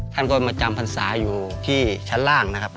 ท่านก็มาจำพรรษาอยู่ที่ชั้นล่างนะครับ